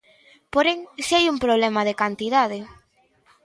Porén, si hai un problema de cantidade.